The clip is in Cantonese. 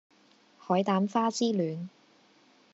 海膽花之戀